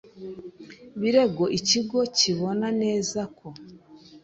birego ikigo kibona neza ko